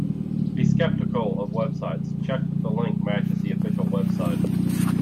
Be skeptical of websites, check that the link matches the official website.